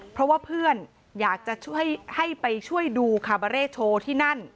เพราะว่าเพื่อนอยากจะให้ไปช่วยดูคาร์เบอร์เรทโชว์ที่นั่น